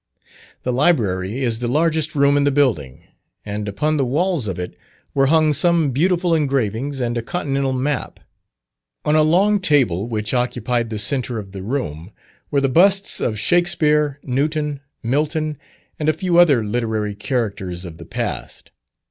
The Library is the largest room in the building, and upon the walls of it were hung some beautiful engravings and a continental map. On a long table which occupied the centre of the room, were the busts of Shakspere, Newton, Milton, and a few other literary characters of the past.